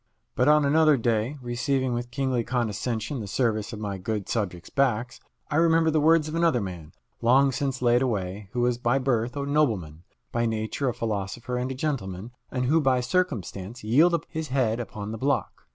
But on another day, receiving with kingly condescension the service of my good subjects' backs, I remembered the words of another man, long since laid away, who was by birth a nobleman, by nature a philosopher and a gentleman, and who by circumstance yielded up his head upon the block.